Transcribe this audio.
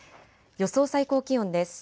予想最高気温です。